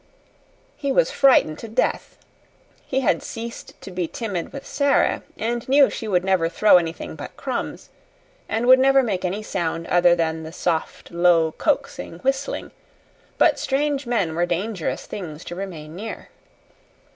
He was frightened to death. He had ceased to be timid with Sara, and knew she would never throw anything but crumbs, and would never make any sound other than the soft, low, coaxing whistling; but strange men were dangerous things to remain near.